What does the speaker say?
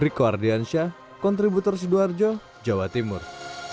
rick wardiansyah kontributor sidoarjo jawa timur